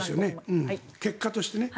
結果としてね。